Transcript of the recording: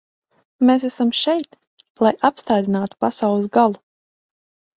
Mēs esam šeit, lai apstādinātu pasaules galu.